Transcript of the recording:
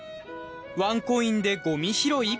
ワンコインでゴミ拾い？